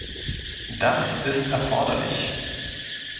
Das ist erforderlich.